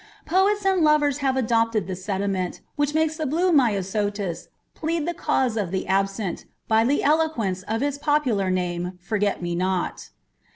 PoeU and lovers have adopted the sentiment, which makes the blue nivaaolit plead the cauae of the absent, by the eloquence of its popular nukb " Porget me not."